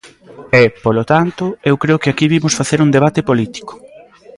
E, polo tanto, eu creo que aquí vimos facer un debate político.